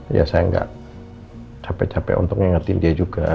iya saya gak capek capek untuk nge ngertiin dia juga